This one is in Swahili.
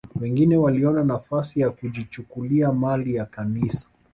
Wengine waliona nafasi ya kujichukulia mali ya Kanisa